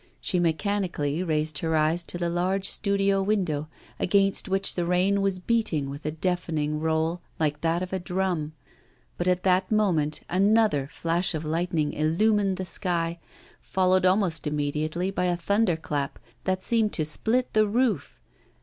She mechanically raised her eyes to the large studio window, against which the rain was beating with a deafening roll like that of a drum, but at that moment another flash of lightning illumined the sky, followed almost immediately by a thunder clap that seemed to split the roof.